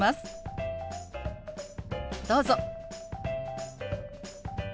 どうぞ。